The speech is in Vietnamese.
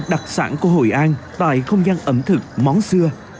đặc sản của hội an tại không gian ẩm thực món xưa